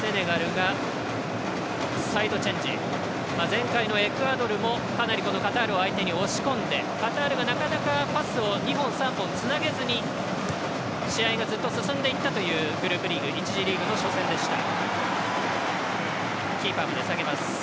前回のエクアドルもかなりカタールを相手に押し込んでカタールが、なかなかパスを２本、３本つなげずに試合がずっと進んでいったというグループリーグ１次リーグの初戦でした。